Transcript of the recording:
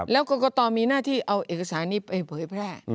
แล้วกรกตมีหน้าที่เอาเอกสารนี้ไปเผยแพร่